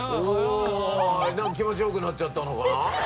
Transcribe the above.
気持ち良くなっちゃったのかな？